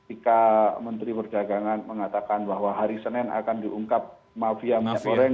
ika menteri perdagangan mengatakan bahwa hari senin akan diungkap mafia minyak goreng